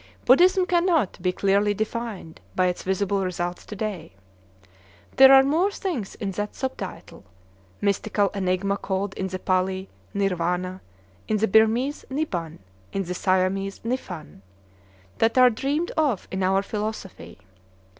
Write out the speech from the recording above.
Buddhism cannot be clearly defined by its visible results today. There are more things in that subtile, mystical enigma called in the Pali Nirwana, in the Birmese Niban, in the Siamese Niphan, than are dreamed of in our philosophy.